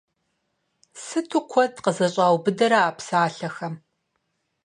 Сыту куэд къызэщӀаубыдэрэ а псалъэхэм!